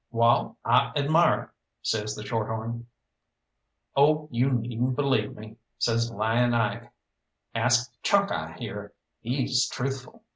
"Wall, I admire!" says the shorthorn. "Oh, you needn't believe me," says Lying Ike, "ask Chalkeye here. He's truthful."